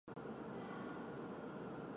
这座建筑最具特色的部分是其回廊。